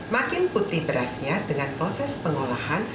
makin putih berasnya dengan proses pengolahan